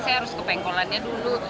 saya harus ke bengkolannya dulu